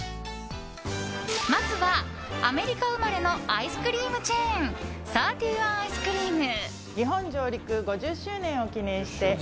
まずは、アメリカ生まれのアイスクリームチェーンサーティワンアイスクリーム。